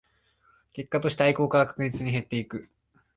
結果として愛好家は確実に減っていく